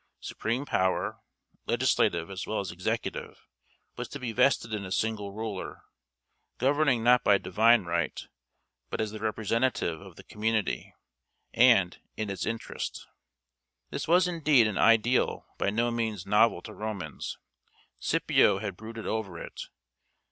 Supreme power, legislative as well as executive, was to be vested in a single ruler, governing not by divine right, but as the representative of the community, and in its interest. This was indeed an ideal by no means novel to Romans. Scipio had brooded over it.